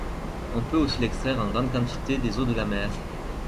On peut aussi l'extraire en grande quantité des eaux de la mer.